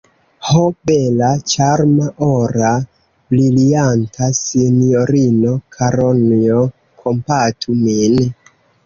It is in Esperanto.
Ho, bela ĉarma, ora, brilianta sinjorino Karonjo, kompatu min!